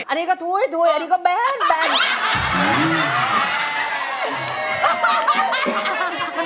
อันนี้ก็ถ้วยอันนี้ก็แบน